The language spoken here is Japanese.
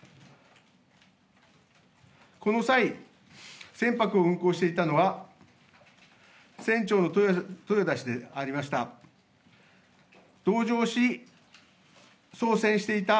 この際、船舶を運航していたのは、船長の豊田氏でありました。